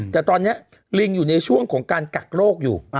แต่ตอนนี้ลิงอยู่ในช่วงของการกักโรคอยู่